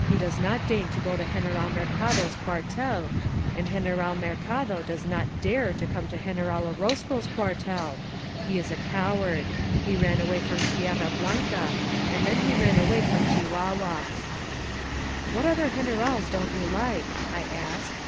He does not deign to go to Greneral Mercado's euartel, and Gen eral Mercado does not dare to come to Greneral Oroz co's cuartel! He is a coward. He ran away from Tierra Blanca, and then he ran away from Chihua* hua !" *nVhat other Grenerals don't you like?" I asked.